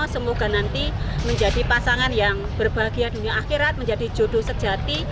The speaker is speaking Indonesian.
semoga nanti menjadi pasangan yang berbahagia dunia akhirat menjadi jodoh sejati